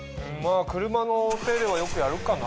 車のお手入れはよくやるかな。